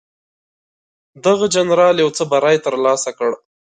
دغه جنرال یو څه بری ترلاسه کړ.